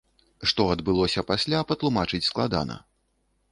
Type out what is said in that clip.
Што адбылося пасля, патлумачыць складана.